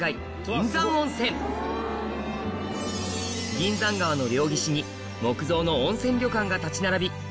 銀山温泉銀山川の両岸に木造の温泉旅館が立ち並び